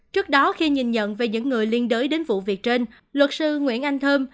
trước đó khi nhìn nhận về những người liên đối đến vụ việc trên luật sư nguyễn anh thơm